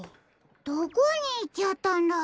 どこにいっちゃったんだろ？